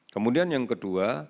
kemudian yang kedua